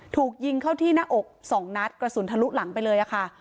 ถูกยิงเข้าที่หน้าอกสองนัดกระสุนทะลุหลังไปเลยค่ะ